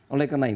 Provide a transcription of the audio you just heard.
oleh kena itu